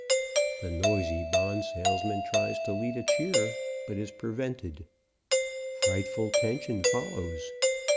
The noisy bond salesman tries to lead a cheer but is prevented. Frightful tension follows.